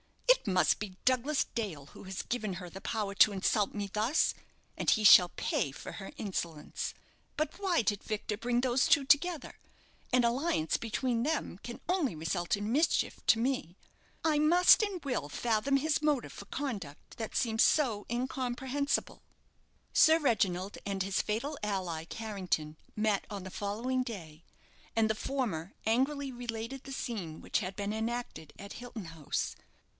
"It must be Douglas Dale who has given her the power to insult me thus, and he shall pay for her insolence. But why did Victor bring those two together? An alliance between them can only result in mischief to me. I must and will fathom his motive for conduct that seems so incomprehensible." Sir Reginald and his fatal ally, Carrington, met on the following day, and the former angrily related the scene which had been enacted at Hilton House.